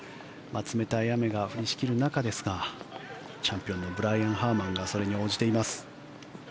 冷たい雨が降りしきる中ですがチャンピオンのブライアン・ハーマンがそれに応じています。